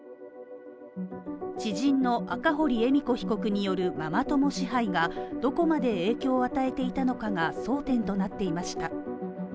知人の赤堀恵美子被告によるママ友支配が、どこまで影響を与えていたのかが争点となっていました。